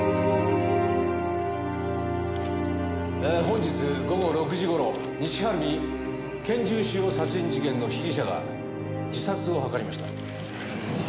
本日午後６時頃西晴海けん銃使用殺人事件の被疑者が自殺を図りました。